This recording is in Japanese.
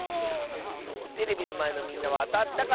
テレビのまえのみんなはあたったかな？